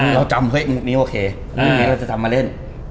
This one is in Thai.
ผมจำว่ามุกนี้โอเคเราจะทำมาเล่น